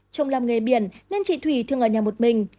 trong làm nghề biển nên chị thủy thường ở nhà một mình